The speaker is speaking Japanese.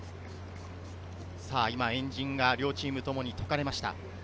円陣が両チームともとかれました。